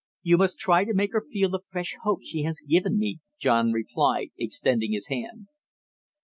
You must try to make her feel the fresh hope she has given me," John replied, extending his hand.